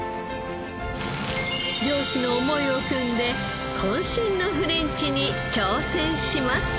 漁師の思いをくんで渾身のフレンチに挑戦します。